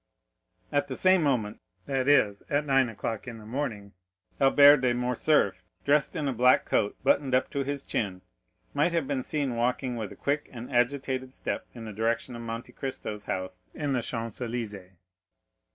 At the same moment, that is, at nine o'clock in the morning, Albert de Morcerf, dressed in a black coat buttoned up to his chin, might have been seen walking with a quick and agitated step in the direction of Monte Cristo's house in the Champs Élysées.